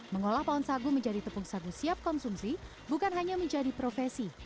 mengolah pohon sagu menjadi tepung sagu siap konsumsi bukan hanya menjadi profesi